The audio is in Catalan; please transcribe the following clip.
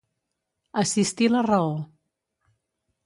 Assistir la raó.